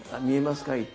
「見えますか？」